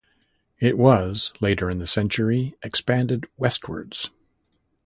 It was later in the century expanded westwards.